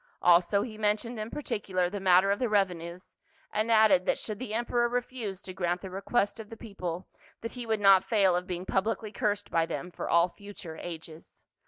Also he men tioned in particular the matter of the revenues, and added that should the emperor refuse to grant the re quest of the people that he would not fail of being publicly cursed by them for all future ages.